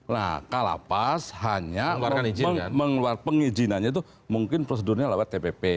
nah kalapas hanya mengeluarkan pengizinannya itu mungkin prosedurnya lewat tpp